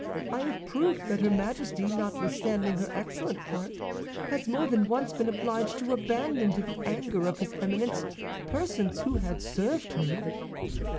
I have proof that her Majesty, notwithstanding her excellent heart, has more than once been obliged to abandon to the anger of his Eminence persons who had served her."